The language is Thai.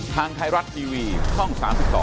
ทางไทยรัฐทีวีช่อง๓๒